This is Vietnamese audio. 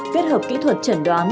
kết hợp kỹ thuật chẩn đoán